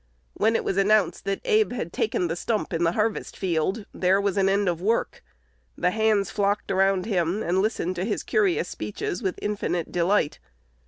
When it was announced that Abe had taken the "stump" in the harvest field, there was an end of work. The hands flocked around him, and listened to his curious speeches with infinite delight.